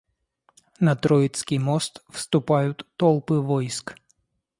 На Троицкий мост вступают толпы войск.